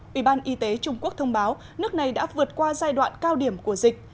ủy ban y tế trung quốc thông báo nước này đã vượt qua giai đoạn cao điểm của dịch